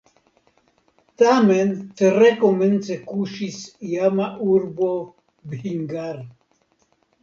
Tamen tre komence kuŝis iama urbo Bhingar.